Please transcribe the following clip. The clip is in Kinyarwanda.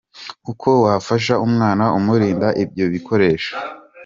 Uko wafasha umwana umurinda ibyo bikoresho.